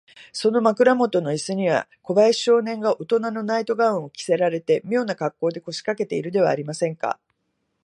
その枕もとのイスには、小林少年がおとなのナイト・ガウンを着せられて、みょうなかっこうで、こしかけているではありませんか。